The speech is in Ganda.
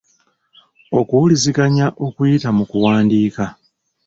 Okuwuliziganya okuyita mu kuwandiika.